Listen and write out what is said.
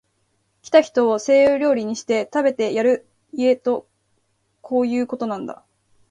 来た人を西洋料理にして、食べてやる家とこういうことなんだ